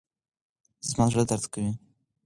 زما زړه درد کوي.